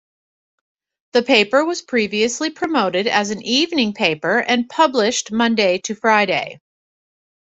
The paper was previously promoted as an evening paper and published Monday to Friday.